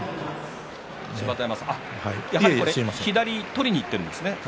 左を取りにいっているんですね